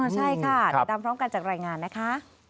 ใช่ค่ะติดตามพร้อมกันจากรายงานนะคะ